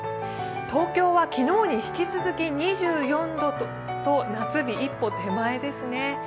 東京は昨日に引き続き２４度と夏日一歩手前ですね。